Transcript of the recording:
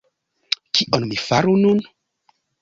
Kion mi faru nun?